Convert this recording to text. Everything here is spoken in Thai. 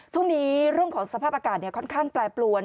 ช่วงนี้เรื่องของสภาพอากาศค่อนข้างแปรปรวน